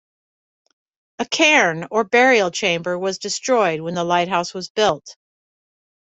A cairn or burial chamber was destroyed when the lighthouse was built.